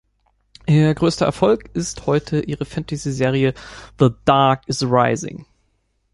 Ihr größter Erfolg ist heute ihre Fantasy-Serie "The Dark is Rising".